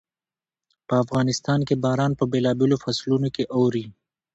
په افغانستان کې باران په بېلابېلو فصلونو کې اوري.